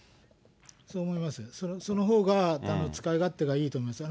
そう思いますね、そのほうが使い勝手がいいと思います。